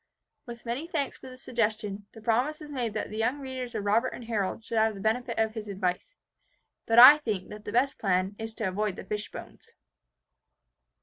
With many thanks for this suggestion, the promise was made that the young readers of Robert and Harold should have the benefit of his advice. But I think that the best plan is to avoid the fish bones.